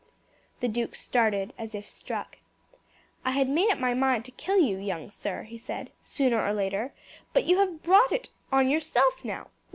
The duke started as if struck. "I had made up my mind to kill you, young sir," he said, "sooner or later; but you have brought it on yourself now.